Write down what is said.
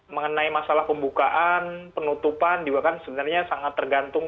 mengenai masalah pembukaan penutupan juga kan sebenarnya sangat tergantung